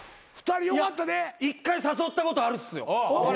１回誘ったことあるっすよ。